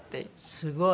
すごい。